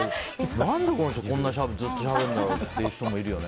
何でこの人ずっとしゃべるんだろうって人もいるよね。